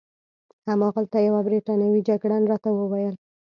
هماغلته یوه بریتانوي جګړن راته وویل.